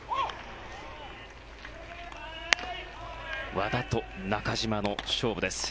和田と中島の勝負です。